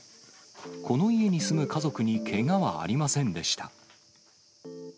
この家に住む家族にけがはありませんでした。